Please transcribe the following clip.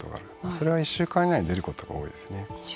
それが１週間以内に出ることが多いですね。